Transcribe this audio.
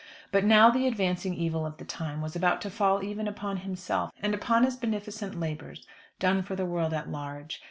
But now the advancing evil of the time was about to fall even upon himself, and upon his beneficent labours, done for the world at large.